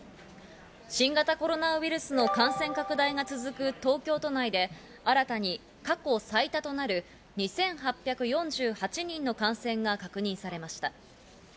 新型コロナウイルスの感染拡大が続く東京都内で新たに過去最多となる２８４８人の感染が確認されました。